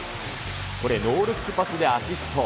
これ、ノールックパスでアシスト。